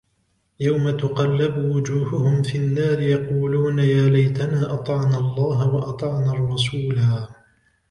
يوم تقلب وجوههم في النار يقولون يا ليتنا أطعنا الله وأطعنا الرسولا